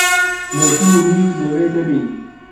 لە دوو و نیو لەوێ دەبین.